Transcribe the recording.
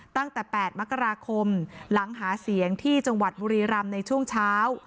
ตั้งแต่๘มกราคมหลังหาเสียงที่จังหวัดบุรีรำในช่วงเช้า